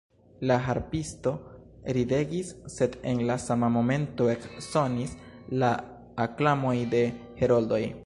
La harpisto ridegis, sed en la sama momento eksonis la aklamoj de heroldoj.